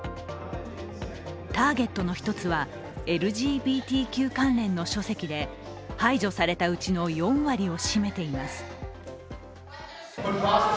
ターゲットの１つは、ＬＧＢＴＱ関連の書籍で、排除されたうちの４割を占めています。